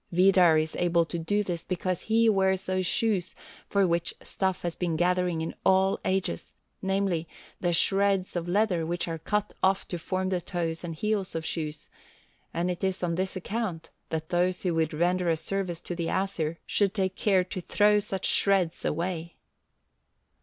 Vidar is able to do this because he wears those shoes for which stuff has been gathering in all ages, namely, the shreds of leather which are cut off to form the toes and heels of shoes, and it is on this account that those who would render a service to the Æsir should take care to throw such shreds away.